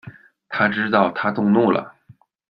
他知道她动怒了